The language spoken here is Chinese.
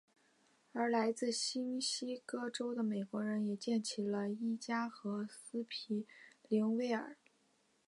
而来自新墨西哥州的美国人也建起了伊加和斯皮灵威尔。